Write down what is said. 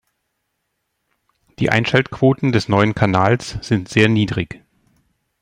Die Einschaltquoten des neuen Kanals sind sehr niedrig.